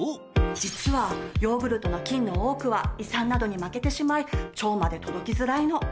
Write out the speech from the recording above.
実はヨーグルトの菌の多くは胃酸などに負けてしまい腸まで届きづらいの。